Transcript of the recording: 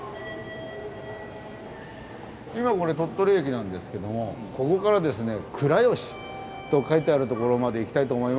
今これ鳥取駅なんですけどもここからですね倉吉と書いてある所まで行きたいと思います。